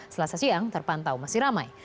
selasa siang terpantau masih ramai